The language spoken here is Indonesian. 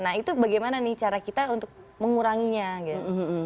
nah itu bagaimana nih cara kita untuk menguranginya gitu